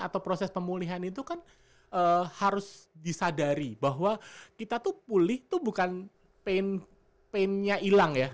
atau proses pemulihan itu kan harus disadari bahwa kita tuh pulih tuh bukan painnya hilang ya